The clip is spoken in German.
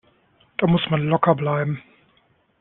Da muss man locker bleiben.